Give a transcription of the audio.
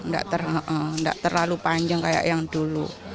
tidak terlalu panjang kayak yang dulu